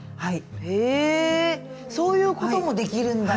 へえそういうこともできるんだ。